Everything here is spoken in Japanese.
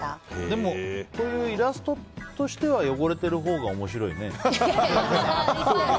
でも、イラストとしては汚れてるほうが面白いね。